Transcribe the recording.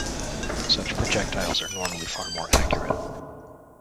Such projectiles are normally far more accurate.